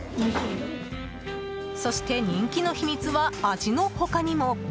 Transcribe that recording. そして、人気の秘密は味の他にも。